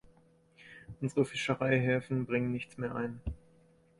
Unsere Fischereihäfen bringen nichts mehr ein.